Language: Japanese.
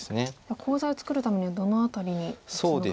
コウ材を作るためにはどの辺りに打つのが。